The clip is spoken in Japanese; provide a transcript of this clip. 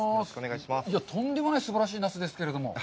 とんでもないすばらしいナスですけれども。